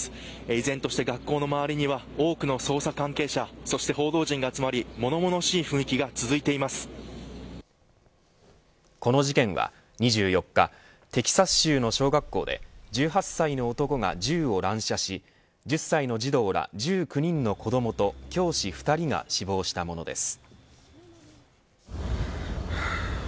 依然として学校の周りには多くの捜査関係者そして報道陣が集まりこの事件は２４日テキサス州の小学校で１８歳の男が銃を乱射し、１０歳の児童ら１９人の子どもと、教師２人が死亡したものです。